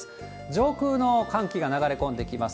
上空の寒気が流れ込んできます。